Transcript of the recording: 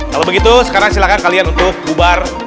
kalau begitu sekarang silahkan kalian untuk bubar